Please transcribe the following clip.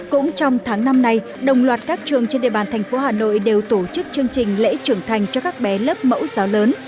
cũng trong tháng năm này đồng loạt các trường trên địa bàn thành phố hà nội đều tổ chức chương trình lễ trưởng thành cho các bé lớp mẫu giáo lớn